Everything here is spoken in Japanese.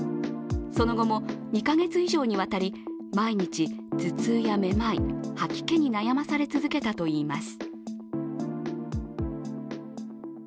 その後も２か月以上にわたり、毎日、頭痛やめまい、吐き気に悩まされ続けたといいます。